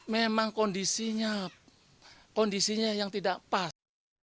memang kondisinya kondisinya yang tidak pas